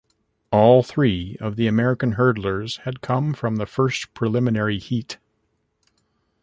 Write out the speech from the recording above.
All three of the American hurdlers had come from the first preliminary heat.